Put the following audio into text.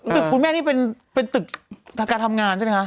คุณแม่นี่เป็นตึกการทำงานใช่ไหมคะ